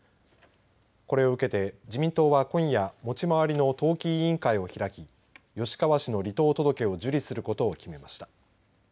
これを受けて自民党は今夜持ち回りの党紀委員会を開き吉川氏の離党届を受理することを決めました。